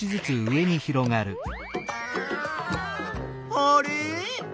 あれ？